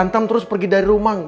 antam terus pergi dari rumah